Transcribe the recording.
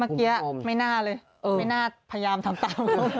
เมื่อกี้ไม่น่าเลยไม่น่าพยายามทำตามเลย